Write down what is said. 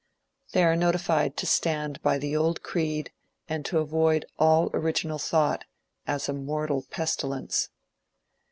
They are notified to stand by the old creed, and to avoid all original thought, as a mortal pestilence.